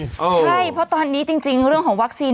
ใช่เพราะตอนนี้จริงเรื่องของวัคซีน